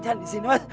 jangan di sini mas